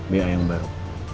ba yang baru